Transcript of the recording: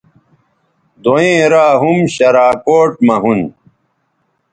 دوئیں را ھُم شراکوٹ مہ ھُون